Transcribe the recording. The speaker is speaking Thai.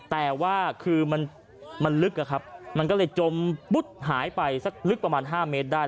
แต่ว่ามันลึกมันก็เลยจมหายไปลึกประมาณ๕เมตรได้